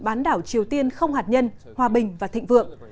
bán đảo triều tiên không hạt nhân hòa bình và thịnh vượng